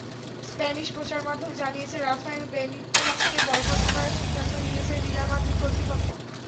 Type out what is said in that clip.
Spanish প্রচারমাধ্যম জানিয়েছে, Rafael বেনিতেজকে বরখাস্ত করার সিদ্ধান্ত নিয়েছে রিয়াল মাদ্রিদ কর্তৃপক্ষ।